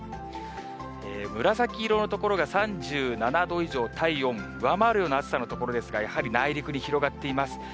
紫色の所が３７度以上、体温を上回るような暑さの所ですが、やはり内陸に広がっています。